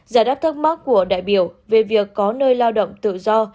giải đáp thắc mắc của đại biểu về việc có nơi lao động tự do